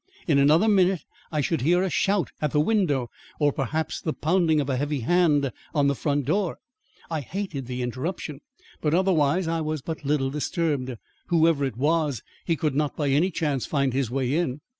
In another minute I should hear a shout at the window, or, perhaps, the pounding of a heavy hand on the front door. I hated the interruption, but otherwise I was but little disturbed. Whoever it was, he could not by any chance find his way in.